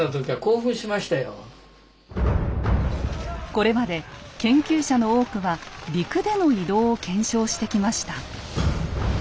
これまで研究者の多くは陸での移動を検証してきました。